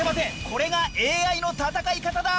これがＡＩの戦い方だ！